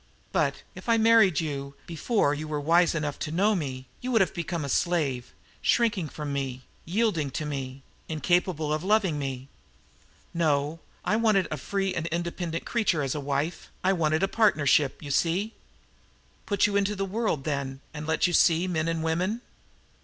But, if I married you before you were wise enough to know me, you would have become a slave, shrinking from me, yielding to me, incapable of loving me. No, I wanted a free and independent creature as my wife; I wanted a partnership, you see. Put you into the world, then, and let you see men and women?